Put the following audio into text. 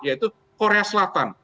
yaitu korea selatan